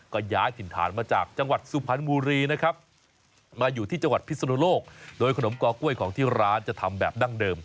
ก็ย้ายถิ่นฐานมาจากจังหวัดสุพรรณบุรีนะครับมาอยู่ที่จังหวัดพิศนุโลกโดยขนมกอกล้วยของที่ร้านจะทำแบบดั้งเดิม